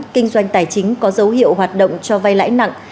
kinh doanh tài chính có dấu hiệu hoạt động cho vay lãi nặng